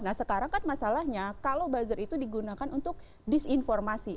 nah sekarang kan masalahnya kalau buzzer itu digunakan untuk disinformasi